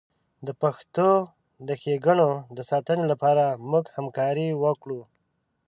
د پښتو د ښیګڼو د ساتنې لپاره موږ همکاري وکړو.